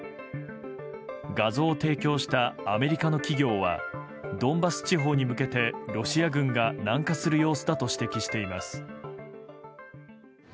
画像を提供したアメリカの企業はドンバス地方に向けてロシア軍が南下する様子だと指摘しています。